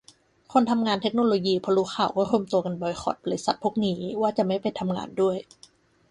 คนทำงานเทคโนโลยีพอรู้ข่าวก็รวมตัวกันบอยคอตบริษัทพวกนี้ ว่าจะไม่ไปทำงานด้วย